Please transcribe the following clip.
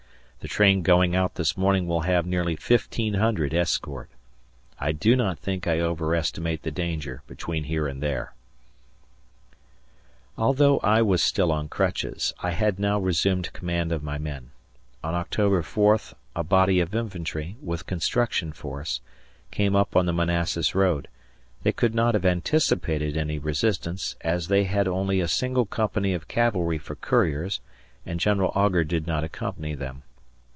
The train going out this morning will have nearly 1500 escort. I do not think I overestimate the danger between here and there. Although I was still on crutches, I had now resumed command of my men. On October 4 a body of infantry, with construction force, cameup on the Manassas road; they could not have anticipated any resistance, as they had only a single company of cavalry for couriers, and General Augur did not accompany them.